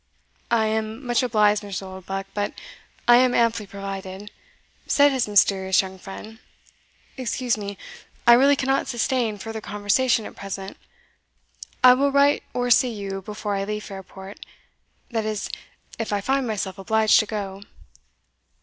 "I am much obliged, Mr. Oldbuck, but I am amply provided," said his mysterious young friend. "Excuse me I really cannot sustain further conversation at present. I will write or see you, before I leave Fairport that is, if I find myself obliged to go."